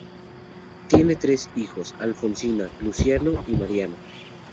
Tiene tres hijos: Alfonsina, Luciano y Mariano.